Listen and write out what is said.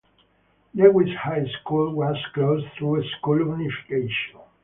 Lewis High School was closed through school unification.